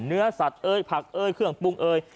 เนื้อสัตว์เอ้ยผักเอ้ยเครื่องปรุงเอ้ย